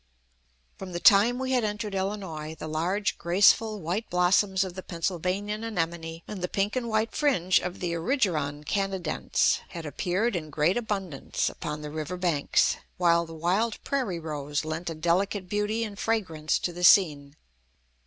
From the time we had entered Illinois, the large, graceful, white blossoms of the Pennsylvanian anemone and the pink and white fringe of the erigeron Canadense had appeared in great abundance upon the river banks, while the wild prairie rose lent a delicate beauty and fragrance to the scene.